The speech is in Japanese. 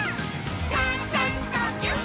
「ちゃちゃんとぎゅっ」